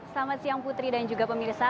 selamat siang putri dan juga pemirsa